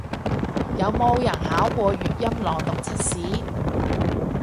有冇人考過粵音朗讀測試